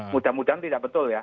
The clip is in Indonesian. mudah mudahan tidak betul ya